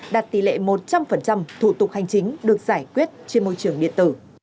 đạt tỷ lệ một trăm linh thủ tục hành chính được giải quyết trên môi trường điện tử